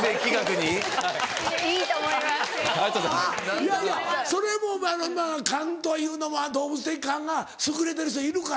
いやいやそれも勘というのも動物的勘が優れてる人いるからな。